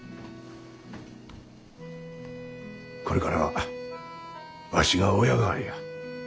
これからはワシが親代わりや。